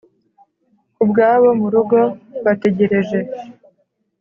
kubwabo murugo bategereje.